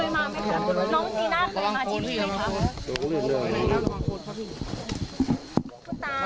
คุณตาเป็นเพลงที่เขาตัวนั้นของจีน่าป่ะคะ